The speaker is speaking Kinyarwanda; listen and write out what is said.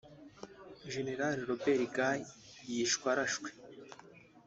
General Robert Guei yishwe arashwe